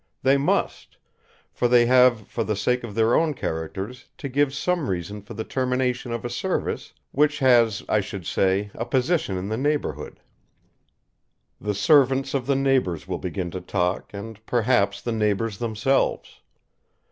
They must; for they have, for the sake of their own characters, to give some reason for the termination of a service which has I should say a position in the neighbourhood. The servants of the neighbours will begin to talk, and, perhaps the neighbours themselves.